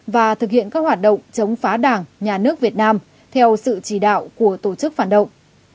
và thực hiện các hoạt động chống phá đảng nhà nước việt nam theo sự chỉ đạo của tổ chức phản động